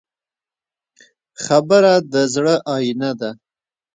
خبره د زړه آیینه ده.